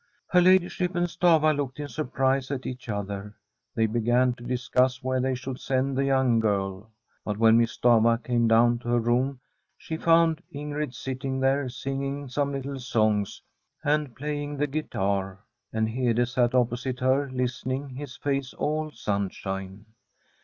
Her ladyship and Stafva looked in surprise at each other. They began to discuss where they should send the young girl. But when Miss Stafva came down to her room she found Ingrid sitting there, singing some little songs and play ing on the guitar, and Hede sat opposite her, listening, his face all sunshine.